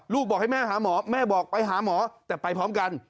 บอกให้แม่หาหมอแม่บอกไปหาหมอแต่ไปพร้อมกัน